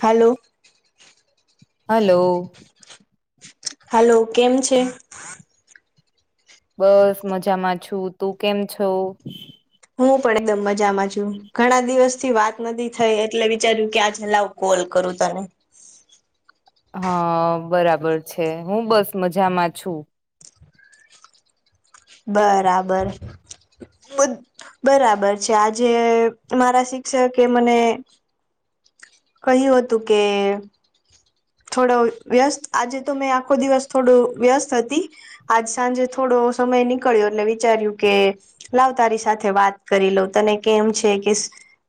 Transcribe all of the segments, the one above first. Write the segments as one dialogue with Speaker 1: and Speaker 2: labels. Speaker 1: હાલો
Speaker 2: hello.
Speaker 1: Hello કેમ છે?
Speaker 2: બસ મજામાં છું. તું કેમ છો?
Speaker 1: હું પણ એકદમ મજામાં છું ઘણા દિવસ થી વા નથી થઈ એટલે વિચાર્યું કે આજ હ લાવું કોલ કરું તને,
Speaker 2: હા બરાબર છે હું બસ મજામાં છું.
Speaker 1: બરાબર બ બરાબર છે આજે મારા શિક્ષકે મને, કહ્યું હતું કે, થોડો વ્યસ્ત આજે તો મેં આખો દિવસ થોડું વ્યસ્ત હતી. આજ સાંજે થોડો સમય નીકળ્યો એટલે વિચાર્યું કે, લાવ તારી સાથે વાત કરી લઉ તને કેમ છે કે,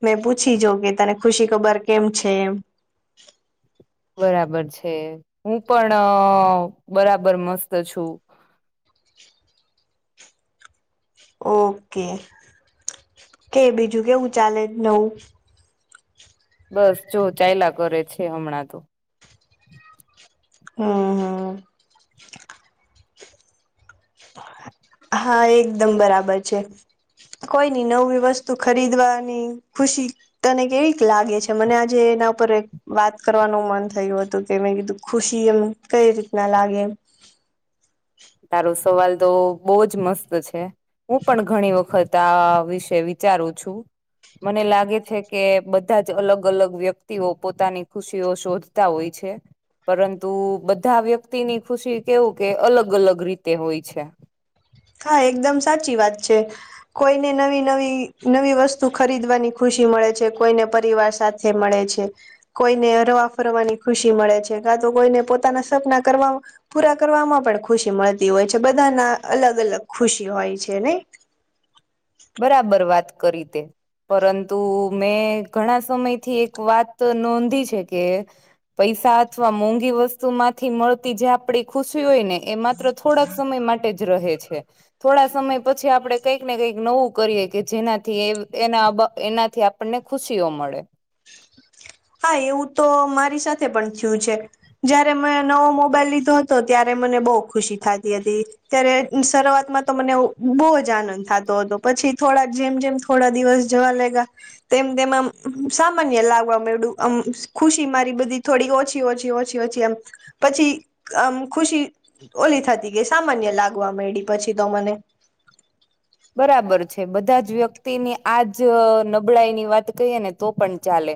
Speaker 1: ને પૂછી જોવ કે તને ખુશી ખબર કેમ છે એમ,
Speaker 2: બરાબર છે હું પણ બરાબર મસ્ત છું.
Speaker 1: ઓકે, કે બીજું કેવું ચાલે નવું.
Speaker 2: બસ જો ચાયલા કરે છે હમણાં તો,
Speaker 1: હું હા એકદમ બરાબર છે. કોઈની નવી વસ્તુ ખરીદવાની ખુશી, તને કેવીક લાગે છે મને આજે એના ઉપર, વાત કરવાનું મન થયું હતું કે મે કીધું ખુશી એવુ કઈ રીતના લાગે એમ,
Speaker 2: તારો સવાલ તો બહુ જ મસ્ત છે. હું પણ ઘણી વખત આ વિશે વિચારું છું. મને લાગે છે કે બધા જ અલગ અલગ વ્યક્તિઓ પોતાની ખુશીઓ શોધ તા હોય છે પરંતુ બધા વ્યક્તિની ખુશી કેવું કે અલગ અલગ, રીતે હોય છે.
Speaker 1: હા એકદમ સાચી વાત છે. કોઈને નવી નવી નવી વસ્તુ ખરીદવાની ખુશી મળે છે કોઈને પરિવાર સાથ તે મળે છે. કોઈને હરવા ફરવાની ખુશી મળે છે કા તો કોઈને પોતાના સપના કરવા, પૂરા કરવામાં પણ ખુશી મળતી હોય છે બધાના અલગ અલગ ખુશી હોય છે નહી,
Speaker 2: બરાબર વાત કરી તે, પરંતુ મેં ઘણા સમયથી એક વાત નોંધી છે કે, પૈસા અથવા મોંઘી વસ્તુ માંથી મળતી જે આપડી ખુશી હોય ને, એ માત્ર થોડાક સમય માટે જ રહે છે થોડા સમય પછી આપડે કંઈક ને કંઈક નવું, કરીએ કે જેનાથી એ એનાથી આપણને ખુશીઓ મળે.
Speaker 1: હા એવું તો મારી સાથે પણ થયું છે. જયારે મેં નવો મોબાઈલ લીધો હતો ત્યારે મને બહુ ખુશી થાતી હતી. ત્યારે શરૂઆતમાં તો મને બહુ જ આનંદ થતો હતો પછી થોડાક જેમ જેમ, થોડા દિવસ જવા લાયગા તેમ તેમ આમ સામાન્ય લાગવા મયડુ આમ ખુશી મારી બધી થોડી ઓછી ઓછી ઓછી ઓછી આમ, પછી આમ ખુશી ઓલી થાતી ગઈ સામાન્ય લાગવા મયડી પછી તો મને,
Speaker 2: બરાબર છે બધા જ વ્યક્તિની આજ નબળાઈની વાત કહીએ ને તો પણ ચાલે,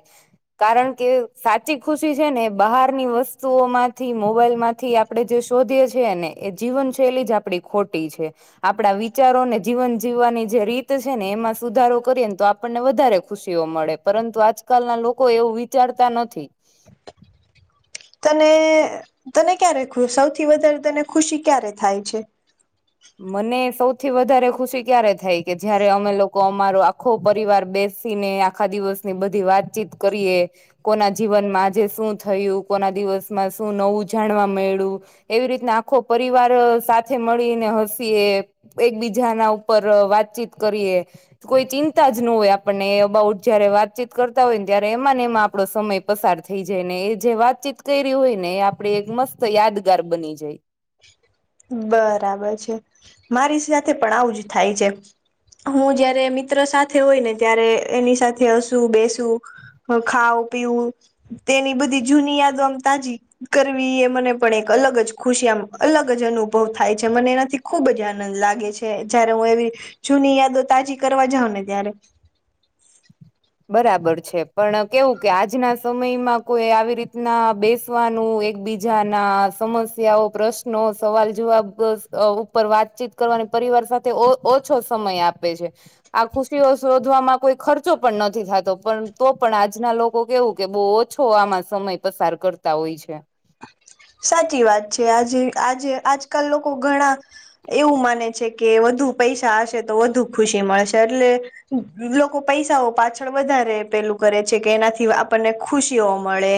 Speaker 2: કારણ કે સાચી ખુશી છે ને બહાર ની વસ્તુઓ માંથી મોબાઈલ માંથી આપ આપણે જે શોધીએ છીએ ને એ જીવન શૈલી જ આપડી ખોટી છે આપણા વિચારોને, જીવન જીવવાની જે રીત છે ને એમાં સુધારો કરીએ ને તો આપણને વધારે ખુશીઓ મળે પરંતુ આજ, કાલ ના લોકો એવું વિચારતા નથી.
Speaker 1: તને તને ક્યારે ખુ સૌથી વધારે તને ખુશી ક્યારે થાય છે.
Speaker 2: મને સૌથી વધારે ખુશી ક્યારે થાય કે જયારે અમે લો કો અમારો આખો પરિવાર બેસી ને આખા દિવસ ની બધી વાતચીત કરીએ. કોના જીવનમાં આજે શું થયું કોના દિવસમાં શું નવું જાણવા મયળુ. એવી રીતના આખો પરિવાર સાથે મળીને. સીએ એકબીજા ના ઉપર વાતચીત કરીએ. કોઈ ચિંતા જ હોય આપણને એ અબાઉટ જયારે વાતચીત કરતા ને ત્યારે એમાંને એમાં આપડો સમય. પસાર થઈ જાય ને એ જે વાતચીત કરી હોય ને એ આપે એક મસ્ત યાદગાર બની જાય.
Speaker 1: બરાબર છે મારી પણ આવુંજ થાય છે. હું જયારે મિત્ર સાથે હોય ને ત્યારે એની સાથે હસુ બેસુ. પણ ખાઉ પીવું. તેની બધી જૂની યાદો આમ તાજી કરવી એ મને પણ એક અલગ જ ખુશી આમ અલગ. જ અનુભવ થાય છે એનાથી ખુબ જ લાગે છે જયારે હું એવી. જૂની યાદો તાજી કરવા જાવ ને ત્યારે.
Speaker 2: બરાબર છે પણ કેવું કે આજના સમયમાં કોઈ આવી રીતના બેસ. નું એકબીજા ના સમસ્યાઓ પ્રશ્નો સવાલ જવાબ. ઉપર વાતચીત કરવાની પરિવાર સાથે ઓછો સમય આપે છે. આ ખુશીઓ શોધવામાં કોઈ ખર્ચો. પણ નથી થતો પણ તો પણ આજના લોકો કેવું કે બહુ ઓછો આમાં સમય પસાર કરતા હોય છે.
Speaker 1: સાચી વાત છે આજે આજે આજકાલ લોકો ઘણા. એવું માને છે કે વધુ પૈસા હશે તો વધુ ખુશી મળશે એટલે. લોકો પૈસાઓ પાછળ વધારે પેલું કરે છે કે એનાથી આપણને ખુશીઓ મળે.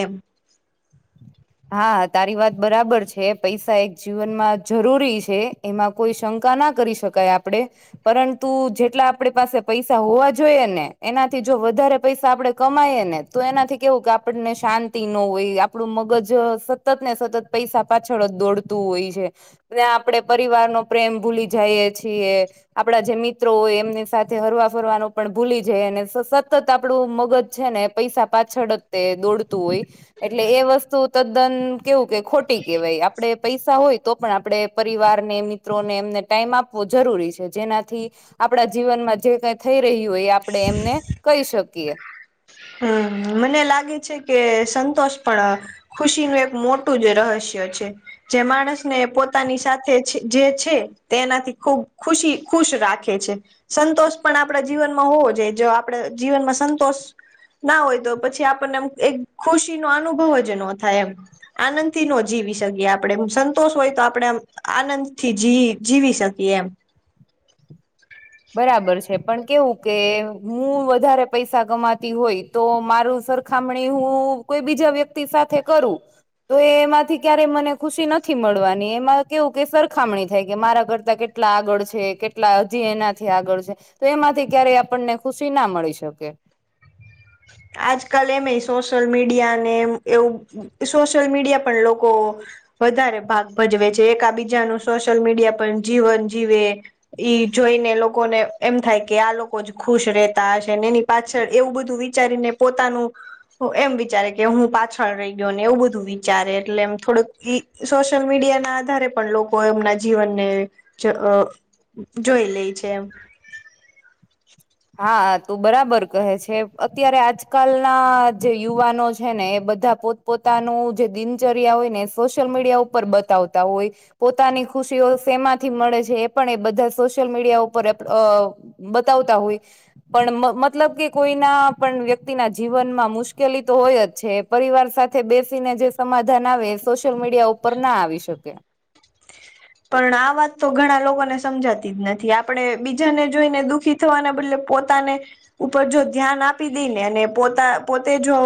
Speaker 2: હા તારી વાત બરાબર છે પૈસા એક જીવનમાં જરૂરી છે એમાં. કોઈ શંકા ના કરી શકાય આપણે. પરંતુજેટલાં આપડી પાસે પૈસા હોવા જોઈએ ને એનાથી જો વધારે આપડે કમાઈએ ને. તો એનાથી કેવું કે આપણને શાંતિ ન હોય. આપણું મગજ સતત ને સતત પૈસા પાછળ જ દોડતું હોય છે. ત્યા આપડે પરિવાર નો પ્રેમ ભૂલી જઈ છીએ. આપડા જે મિત્રો હોય એમની સાથે હરવા ફરવાનું પણ ભૂલી જઈએ અને સતત આપડું મગજ છે ને. પૈસા પાછળ જ તે દોડતું હોય. એટલે એ વસ્તુ તદ્દન કેવું કે ખોટી કહેવાય આપણે પૈસા હોય તો પણ આપણે પરિવારનેિત. મિત્રોને એમને ટાઈમ આપવો જરૂરી છે જેનાથી આપણા જીવનમાં થઈ રહ્યું હોય એ આપડણે એમને કહી શકીએ.
Speaker 1: હમ મને લાગે છે કે સંતોષ પણ. ખુશીનું એક મોટું જ રહસ્ય છે. જે માણસને પોતાની સાથે જે છે તે એનાથી ખૂબ ખુશી ખુશ રાખે છે. સંતોષ પણ આપણા જીવનમાં હોવો જોઈએ જો આપણે જીવનમાં સંતોષ. ના હોય તો પછી આપણને એમ એક ખુશી નો અનુભવ જ ન થાય એમ. આનંદથી ન જીવી શકીએ આપણે એ સંતોષ હોય તો આપણે આનંદથી જી જીવી શકીએ એમ.
Speaker 2: બરાબર છે પણ કેવું કે હું વધારે પૈસા કમાતી હોય. તો મારું સરખામણી હું કોઈ બીજા વ્યક્તિ સાથે કરું. તો એ એમાંથી ક્યારેય મને ખુશી નથી મળવાની એમાં કેવું કે સરખામણી થયગઈ કે મારા કરતા કેટલા. કેટલા આગળ છે કેટલા હજી એના. થી આગળ છે તો એમાંથી ક્યારેય આપણને ખુશી ના મળી શકે.
Speaker 1: આજકાલ એમય સોશિયલ મીડિયા ને એવું સોશિયલ મીડિયા પણ લોકો. વધારે ભાગ ભજવે છે એકાબીજાનું સોશિયલ મીડિયા પણ જીવન જીવે. ઈ જોઈને લોકોને એમ થાય કે આ લોકો જ ખુશ રહેતા હશે ને એની પાછળ એવું બધું. વિચારીને પોતાનું. એમ વિચારે કે હું પાછળ રહી ગયો ને એવું બધું વિચારે એટલે એમ થોડુંક ઈ, સોશિયલ મીડિયા ના આધારે પણ લોકો એમના જીવનને. [unintelligible] જોઈ લેય છે એમ. [inaudible]
Speaker 2: હા હા તું બરાબર કહે છે અત્યારે આજકાલના જે યુવાનો છે ને એ બધા પોત પોતાનું જે દિનચર્યા હોય ને સોશિયલ મીડિયા ઉપર બતાવતા હોય. પોતાની ખુશીઓ સેમાંથી મળે છે એ પણ એ બધા સોશિયલ મીડિયા ઉપર. [unintelligible] બતાવતા હોય. પણ મ મતલબ કે કોઈના પણ વ્યક્તિના જીવનમાં મુશ્કેલી તો હોય જ છે. પરિવાર સાથે બેસીને જે સમાધાન આવે એ સોશિયલ મીડિયા ઉપર ના આવી શકે.
Speaker 1: પણ આ વાત તો ઘણા લોકોને સમજાતી જ નથી આપણે બીજાને જોઈને દુખી થવાના બદલે પોતાને ઉપર જો ધ્યાન આપી દેઈને અને પોતા પોતે જો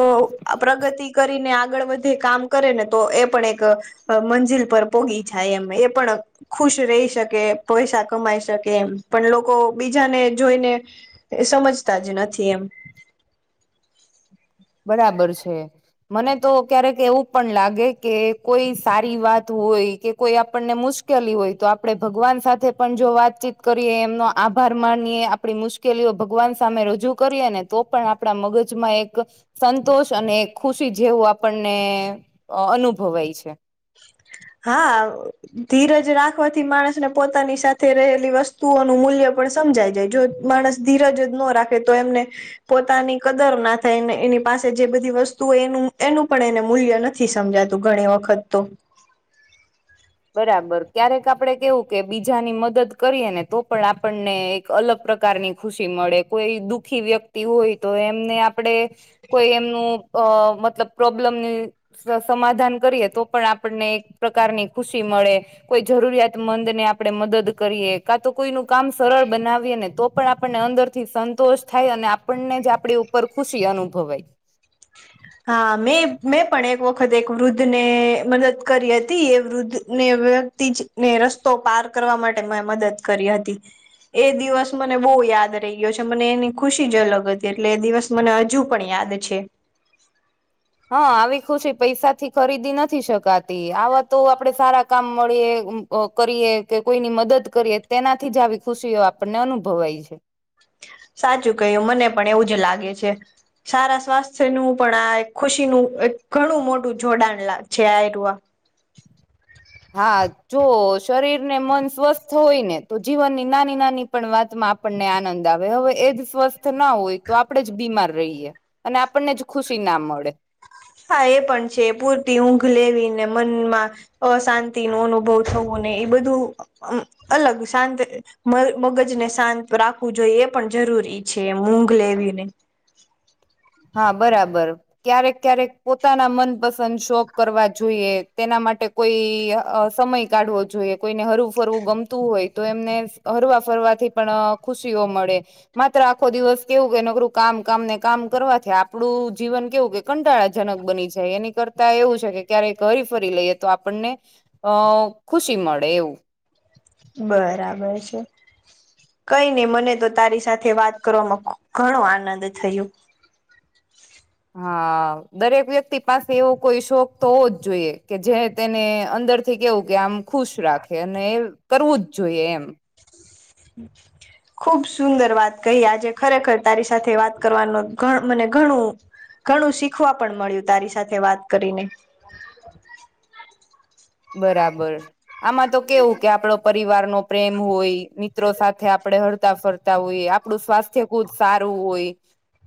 Speaker 1: આ પ્રગતિ કરીને આગ આગળ વધી કામ કરેને તો એ પણ એક અ મંજિલ પર [unintelligible] જાય એ પણ ખુશ રહી શકે પૈસા કમાઈ શકે એમ પણ લોકો બીજાને જોઈને એ સમજતા જ નથી એમ.
Speaker 2: બરાબર છે. મને તો ક્યારેક એવું પણ લાગે કે કોઈ સારી વાત હોય કે કોઈ આપણને મુશ કેલી હોય તો આપણે ભગવાન સાથે પણ જો વાતચીત કરીએ એમનો આભાર માનીએ આપણી મુશ કે [unintelligible] ભગવાન સામે રજૂ કરીએ ને તો પણ આપણા મગજમાં એક સંતોષ અને ખુશી જેવું આપણને અ અનુભવાય છે.
Speaker 1: હા. [unintelligible] ધીરજ રાખવાથી માણસને પોતાની સાથે રહેલી વસ્તુઓનું મૂલ્ય પણ સમજાય જાય જો માણસ ધીરજ નો રાખે તો એમને પોતાની કદર ના થાયને એની પાસે જે બધી વસ્તુ એનું એનું પણ એને મૂલ્ય ન નથી સમજાતું ઘણી વખત તો.
Speaker 2: બરાબર ક્યારેક આપણે કેવું કે બીજાની મદદ કરીએ ને તો પણ આપણને એક અલગ પ્રકારની ખુશી મળે કોઈ દુઃખી વ્યક્તિ હોય તો એમને આપ પણે કોઈ એમનું અ મતલબ પ્રોબ્લેમને સ સમાધાન કરીએ તો પણ આપણને એક પ્રકારની ખુશી મળે. કોઈ જરૂરિયાતમંદ ને આપણે મદદ કરીએ કા તો કોઈનુ કામ સરળ બનાવીએ ને તો તે આપણને અંદર થી સંતોષ થાય અને આપણને જ આપણી ઉપર ખુશી અનુભવાય.
Speaker 1: હા મેં મે પણ એક વખત એક વૃદ્ધ ને મદદ કરી હતી એ વૃદ્ધ ને. [unintelligible] [unintelligible] ને રસ્તો પાર કરવા માટે મેં મદદ કરી હતી. એ દિવસ મને બોહુ યાદ રહી ગ્યો છે મને એની ખુશી જ અલગ હતી એટલે એ દિવસ મને હજુ પણ યાદ છે.
Speaker 2: હા આવી ખુશી પૈસાથી ખરીદી નથી શકાતી આવા તો આપડે સારા કામ મળીએ અ કરીએ કે કોઈની મદદ કરીએ તેનાથી જ આવી ખુશીઓ આપણને અનુભવાય છે.
Speaker 1: સાચું કહ્યું મને પણ એવું જ લાગે છે. સારા સ્વાસ્થ્ય નું પણ આ એક ખુશીનું એક ઘણું મોટું જોડાણ લાગ છે આ. [unintelligible]
Speaker 2: હા જો શરીર ને મન સ્વસ્થ હોય ને તો જીવનની નાની નાની પણ વાતમાં આપણને આનંદ આવે હવે એજ સ્વસ્થ ના હોય તો આપણેે જ બીમાર રહીયએ. અને આપણને જ ખુશી નામ મળે.
Speaker 1: હા એ પણ છે પૂરતી ઊંઘ લેવીને મનમાં અ શાંતિ નો અનુભવ થવો ને એ બધું અ અમ અલગ શાંત [unintelligible] મગજને શાંત રાખવું જોઈએ એ પણ જરૂરી છે ઊંઘ લેવીને.
Speaker 2: હા, બરાબર, ક્યારેક ક્યારેક પોતાના મનપસંદ શોખ કરવા જોઈએ, તેના માટે કોઈ અ સમય કાઢવો જોઈએ, કોઈને હરવું-ફરવું ગમતું હોય તો એમને હરવા ફરવાથી પણ ખુશીઓ મળે. માત્ર આખો દિવસ કેવું કે નકરું કામ કામ ને કામ કરવા થી આપણું જીવન કેવું કે કંટાળા જનક બની જાય, એની કરતા તા એવું છે કે ક્યારેક હરી-ફરી લઈએ તો આપણને અ ખુશી મળે એવું.
Speaker 1: બરાબર છે. કઈ ને મને તો તારી સાથે વાત કરવામાં ઘણો આનંદ થયો.
Speaker 2: હા, દરેક વ્યક્તિ પાસે એવો કોઈ શોખ તો ઓવો જ જોઈએ કે જે તેને અંદરથી કેવું કે આમ ખુશ રાખે ને એ કરવું જ જોઈએ એમ.
Speaker 1: હુમ્મ,
Speaker 2: [unintelligible]
Speaker 1: ખૂબ સુંદર વાત કહી, આજે ખરેખર તારી સાથે વાત કરવાનું ઘ મને ઘણું ઘણું શીખવા પણ મળ્યું તારી સાથે વાત કરીને.
Speaker 2: બરાબર, આમાં તો કેવું કે આપડો પરિવારનો પ્રેમ હોય. મિત્રો સાથે આપડે હરતા-ફરતા હોએ આપડું સ્વાસ્થ્ય ખુદ સારું હોય.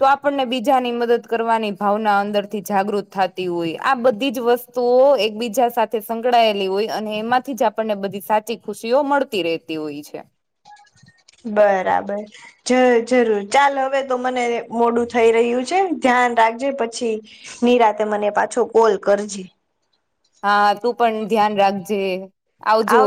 Speaker 2: તો આપણને બીજાની મદદ કરવાની ભાવના અંદરથી જાગૃત થાતી ઓય, આ બધી જ વસ તુઓ એકબીજા સાથે સંકળાયેલી ઓય અને એમાંથી જ આપણને બધી સાચી ખુશીઓ મળતી રેતી ઓય છે.
Speaker 1: બરાબર, જર જરૂર ચાલ હવે તો મને મોડું થઈ રહ્યું છે, ધ્યાન રાખજે પછી. નિરાતે મને પાછો કોલ કરજે.
Speaker 2: હા, તું પણ ધ્યાન રાખજે, આવજો!